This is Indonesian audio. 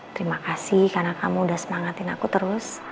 terima kasih karena kamu udah semangatin aku terus